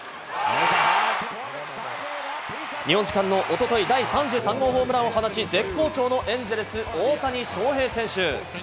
日本時間のおととい、第３３号ホームランを放ち絶好調のエンゼルス・大谷翔平選手。